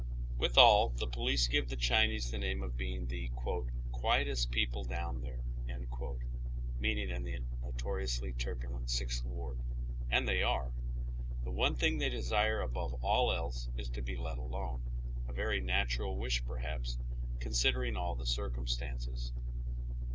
Withal the police give the Chinese the name of being the "qnietest people down there," meaning in the notori ously turbulent Sixth Ward ; and they are. The one thing they desire above all is to be let alone, a very nat ural wish perhaps, considering all the circumstances.